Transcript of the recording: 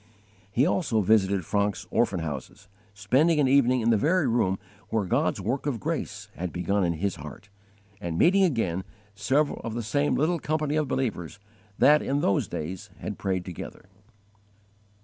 He also visited Francke's orphan houses, spending an evening in the very room where God's work of grace had begun in his heart, and meeting again several of the same little company of believers that in those days had prayed together.